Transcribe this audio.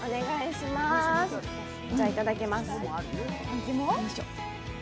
じゃぁ、いただきます。